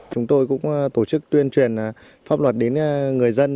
chúng tôi cũng tổ chức tuyên truyền pháp luật đến người dân